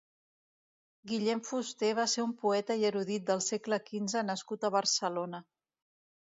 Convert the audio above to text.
Guillem Fuster va ser un poeta i erudit del segle quinze nascut a Barcelona.